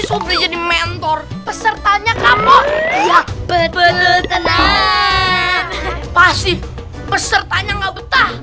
sih jadi mentor pesertanya kamu belut tenang pasti pesertanya nggak betah